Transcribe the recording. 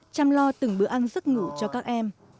chăm lo từng bữa ăn giấc ngủ cho các em